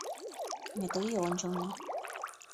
Метрий ончылно.